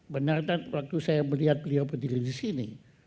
ketika saya melihat beliau berdiri disini